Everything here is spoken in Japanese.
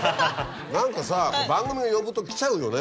何かさ番組が呼ぶと来ちゃうよね。